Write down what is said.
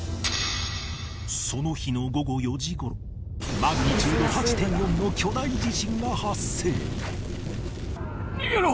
その日の午後４時頃マグニチュード ８．４ の巨大地震が発生